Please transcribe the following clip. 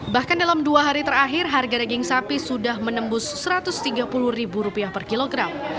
bahkan dalam dua hari terakhir harga daging sapi sudah menembus rp satu ratus tiga puluh per kilogram